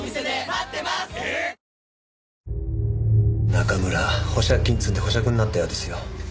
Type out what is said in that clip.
中村保釈金積んで保釈になったようですよ。